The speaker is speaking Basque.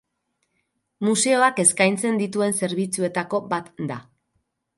Museoak eskaintzen dituen zerbitzuetako bat da.